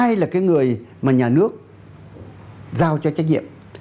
ai là cái người mà nhà nước giao cho trách nhiệm